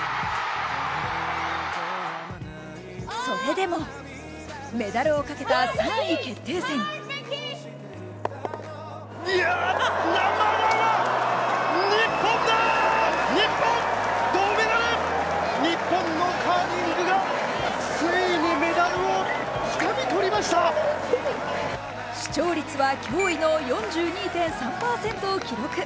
それでも、メダルをかけた３位決定戦視聴率は驚異の４２．３％を記録。